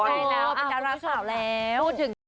ใช่แล้วไปทำละครแล้วพูดถึง